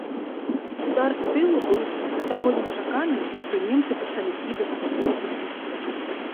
Удар з тылу быў да таго нечаканы, што немцы пачалі кідацца і мітусіцца.